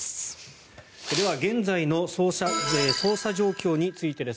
では現在の捜査状況についてです。